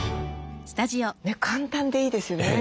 簡単でいいですよね。